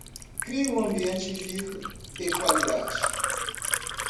Crie um ambiente vivo de qualidade